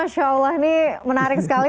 insya allah ini menarik sekali